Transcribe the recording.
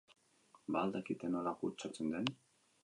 Ba al dakite nola kutsatzen den?